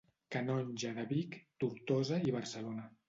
Canonge de Vic, Tortosa i Barcelona.